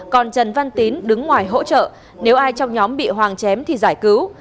còn trần văn tín đứng ngoài hỗ trợ nếu ai trong nhóm bị hoàng chém thì giải cứu